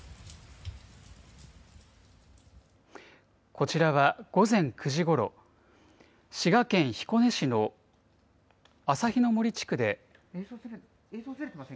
こちらは、午前９時ごろ、滋賀県彦根市のあさひのもり地区で。